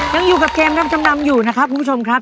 ยังอยู่กับเกมรับจำนำอยู่นะครับคุณผู้ชมครับ